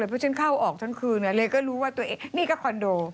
เพราะฉันเข้าออกทั้งคืนเลยก็รู้ว่าตัวเองนี่ก็คอนโด